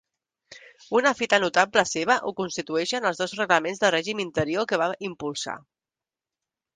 Una fita notable seva ho constitueixen els dos reglaments de règim interior que va impulsar.